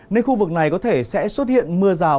nên khu vực này có thể sẽ xuất hiện mưa rào